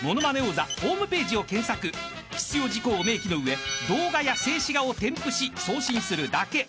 ［必要事項を明記の上動画や静止画を添付し送信するだけ］